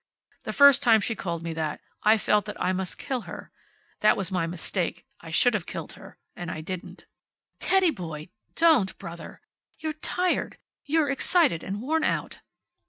The first time she called me that I felt that I must kill her. That was my mistake. I should have killed her. And I didn't." "Teddy boy! Don't, brother! You're tired. You're excited and worn out."